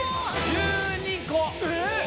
えっ！